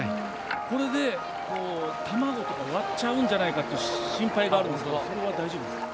これで、卵とか割っちゃうんじゃないかっていう心配があるんですけれどもそれは大丈夫ですか？